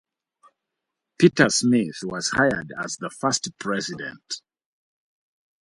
Peter Smith was hired as the first president.